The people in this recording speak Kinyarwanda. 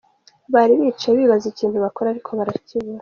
Baricaye bibaza ikintu bakora ariko barakibura.